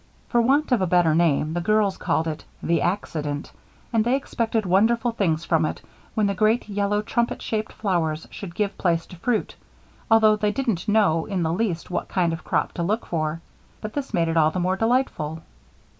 For want of a better name, the girls called it "The Accident," and they expected wonderful things from it when the great yellow trumpet shaped flowers should give place to fruit, although they didn't know in the least what kind of crop to look for. But this made it all the more delightful.